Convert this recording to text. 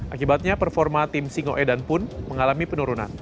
akibatnya performa tim singoedan pun mengalami penurunan